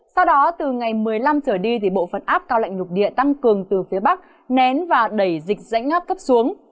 sau đó từ ngày một mươi năm trở đi bộ phận áp cao lạnh lục địa tăng cường từ phía bắc nén và đẩy dịch rãnh áp thấp xuống